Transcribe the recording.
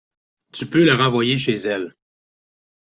Tu peux la renvoyer chez elle?